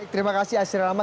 terima kasih asri rama